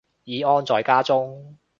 已安坐家中